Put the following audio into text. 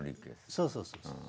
そうそうそうそう。